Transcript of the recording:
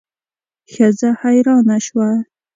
ښځه حیرانه شوه.